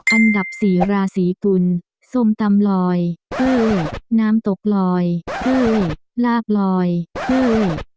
อันดับสี่ราศีกุลส้มตำลอยเออน้ำตกลอยอื้อลากลอยเออ